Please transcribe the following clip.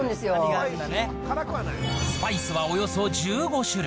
スパイスはおよそ１５種類。